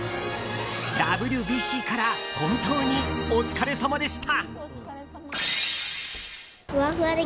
ＷＢＣから本当にお疲れさまでした。